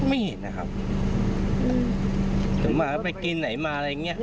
ไม่เห็นนะครับถึงมาไปกินไหนมาอะไรอย่างเงี้ย